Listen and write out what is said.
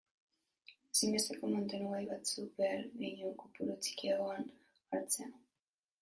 Ezinbesteko mantenugai batzuk behar baino kopuru txikiagoan hartzea.